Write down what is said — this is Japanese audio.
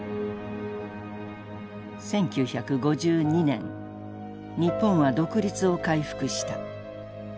１９５２年日本は独立を回復した。